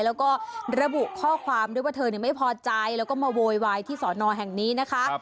แล้วก็ระบุข้อความด้วยว่าเธอไม่พอใจแล้วก็มาโวยวายที่สอนอแห่งนี้นะคะ